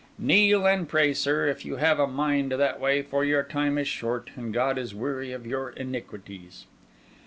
Kneel and pray, sir, if you have a mind that way; for your time is short, and God is weary of your iniquities."